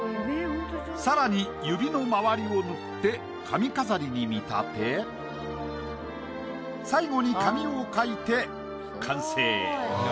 更に指の周りを塗って髪飾りに見立て最後に髪を描いて完成。